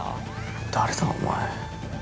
◆誰だお前。